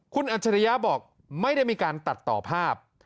คุณอัจฉริยะบอกไม่ได้มีการตัดต่อภาพ